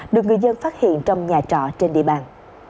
được người dân phát hiện trong nhà trọ trên địa bàn